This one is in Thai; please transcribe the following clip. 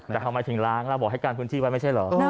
แต่ทำไมถึงล้างแล้วบอกให้กันพื้นที่ไว้ไม่ใช่เหรอ